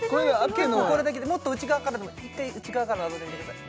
結構これだけでもっと内側からでもいい一回内側からなぞってみてください